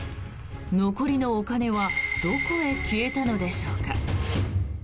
残りのお金はどこへ消えたのでしょうか。